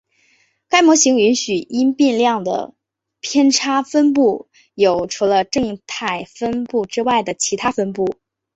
该模型允许因变量的偏差分布有除了正态分布之外的其它分布。